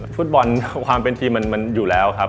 ฟุตบอลความเป็นทีมมันอยู่แล้วครับ